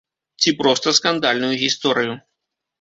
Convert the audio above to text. Ці проста скандальную гісторыю.